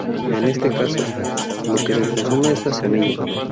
En este caso, lo que se consume es la semilla.